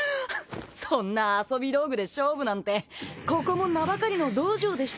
そんな遊び道具で勝負なんてここも名ばかりの道場でしたか。